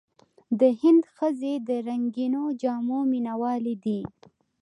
د هند ښځې د رنګینو جامو مینهوالې دي.